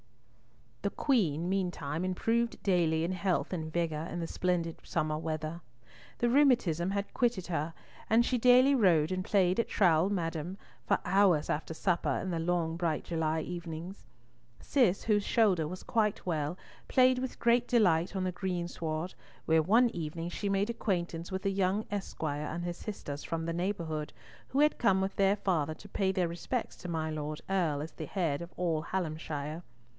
The Queen meantime improved daily in health and vigour in the splendid summer weather. The rheumatism had quitted her, and she daily rode and played at Trowle Madame for hours after supper in the long bright July evenings. Cis, whose shoulder was quite well, played with great delight on the greensward, where one evening she made acquaintance with a young esquire and his sisters from the neighbourhood, who had come with their father to pay their respects to my Lord Earl, as the head of all Hallamshire.